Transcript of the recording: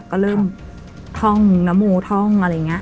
ก็เริ่มท่องนมูท่อง